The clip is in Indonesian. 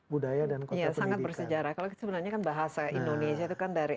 budaya dan kota pendidikan iya sangat bersejarah kalau sebenarnya bahasa indonesia itu kan dari